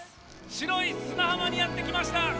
白い砂浜にやってきました。